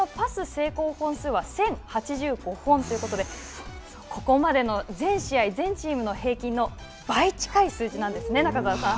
成功本数は１０８５本ということでここまでの全試合、全チームの平均の倍近い数字なんですね、中澤さん。